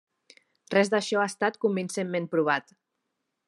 Res d'això ha estat convincentment provat.